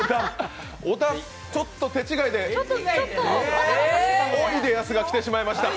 ちょっと手違いで、おいでやすが来てしまいました。